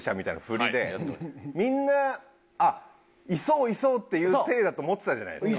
みんな「あっいそういそう」っていう体だと思ってたじゃないですか。